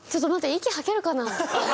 息吐けるかな？